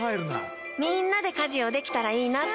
みんなで家事をできたらいいなって。